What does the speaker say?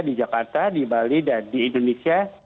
di jakarta di bali dan di indonesia